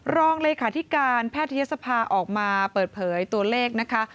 รองเลขาธิการแพทยศภาออกมาเปิดเผยตัวเลขนะคะ